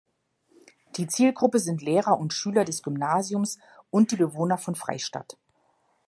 Die Zielgruppe sind Lehrer und Schüler des Gymnasiums und die Bewohner von Freistadt.